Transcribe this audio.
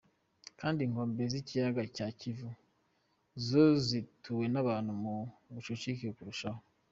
Kandi inkombe z'ikiyaga cya Kivu zo zituwe n'abantu mu bucucike kurushaho.